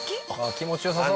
気持ち良さそう。